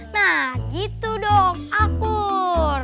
nah gitu dong akur